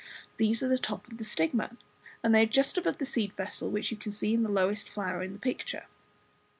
These are the top of the stigma, and they are just above the seed vessel, which you can see in the lowest flower in the picture.